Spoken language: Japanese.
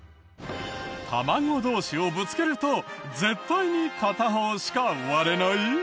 卵同士をぶつけると絶対に片方しか割れない？